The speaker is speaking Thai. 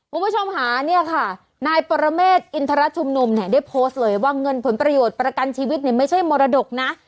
คุณผู้ชมค่ะเนี่ยค่ะนายปรเมฆอินทรชุมนุมเนี่ยได้โพสต์เลยว่าเงินผลประโยชน์ประกันชีวิตเนี่ยไม่ใช่มรดกนะ